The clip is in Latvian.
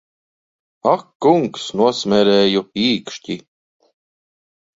Ak kungs, nosmērēju īkšķi!